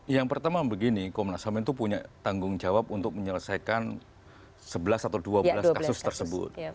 yang pertama begini komnas ham itu punya tanggung jawab untuk menyelesaikan sebelas atau dua belas kasus tersebut